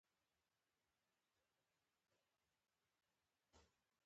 هغه باید په ژوند کې کوڼ پاتې نه شي